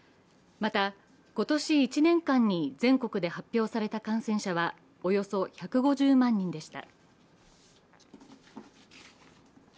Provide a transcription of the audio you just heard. また、今年１年間に全国で発表された感染者はおよそ１５０万人でした。